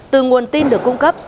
từ nguồn tin được cung cấp